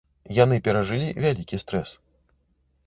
Яны перажылі вялікі стрэс.